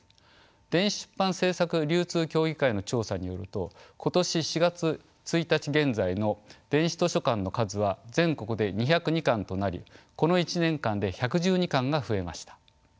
電子出版制作・流通協議会の調査によると今年４月１日現在の電子図書館の数は全国で２０２館となりこの１年間で１１２館が増えました。